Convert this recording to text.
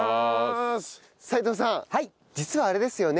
齊藤さん実はあれですよね。